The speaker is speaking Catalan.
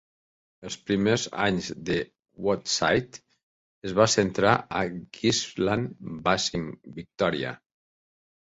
Els primers anys de Woodside es va centrar a Gippsland Basin, Victoria.